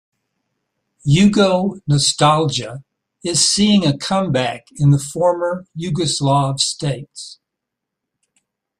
Yugo-nostalgia is seeing a comeback in the former Yugoslav states.